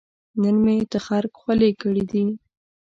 نن مې تخرګ خولې کړې دي